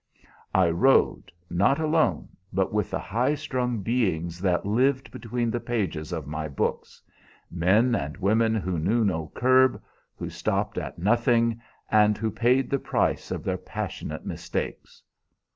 "I rode not alone, but with the high strung beings that lived between the pages of my books: men and women who knew no curb, who stopped at nothing, and who paid the price of their passionate mistakes.